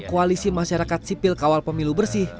koalisi masyarakat sipil kawal pemilu bersih